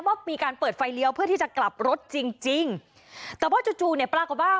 ว่ามีการเปิดไฟเลี้ยวเพื่อที่จะกลับรถจริงจริงแต่ว่าจู่จู่เนี่ยปรากฏว่า